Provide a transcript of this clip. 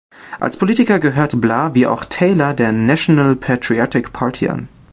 Als Politiker gehörte Blah, wie auch Taylor, der National Patriotic Party an.